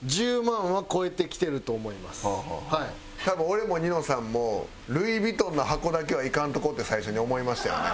多分俺もニノさんもルイ・ヴィトンの箱だけはいかんとこって最初に思いましたよね。